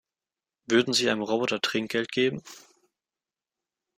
Würden Sie einem Roboter Trinkgeld geben?